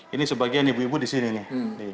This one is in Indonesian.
ini sebagian ibu ibu di sini nih